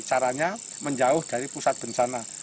caranya menjauh dari pusat bencana